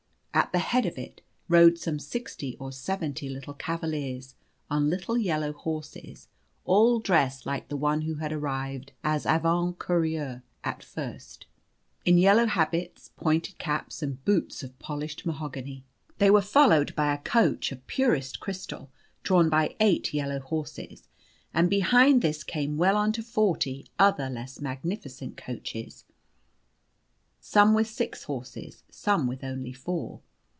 At the head of it rode some sixty or seventy little cavaliers on little yellow horses, all dressed like the one who had arrived as avant courier at first, in yellow habits, pointed caps, and boots of polished mahogany. They were followed by a couch of purest crystal, drawn by eight yellow horses, and behind this came well on to forty other less magnificent coaches, some with six horses, some with only four.